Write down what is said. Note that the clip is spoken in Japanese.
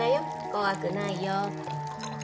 怖くないよって。